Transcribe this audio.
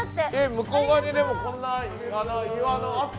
向こう側にでもこんな岩のあったっけ？